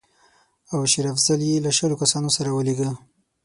او شېر افضل یې له شلو کسانو سره ولېږه.